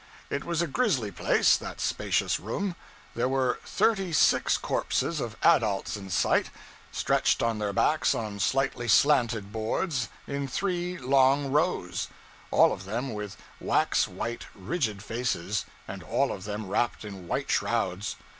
It was a grisly place, that spacious room. There were thirty six corpses of adults in sight, stretched on their backs on slightly slanted boards, in three long rows all of them with wax white, rigid faces, and all of them wrapped in white shrouds.